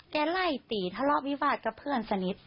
ไล่ตีทะเลาะวิวาสกับเพื่อนสนิท